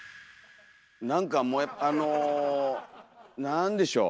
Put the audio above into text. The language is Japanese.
なんかもうあのなんでしょう